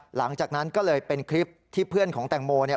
หลังจากนั้นก็เลยเป็นคลิปที่เพื่อนของแตงโม